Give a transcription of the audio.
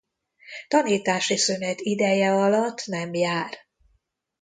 Tanítási szünet ideje alatt nem jár.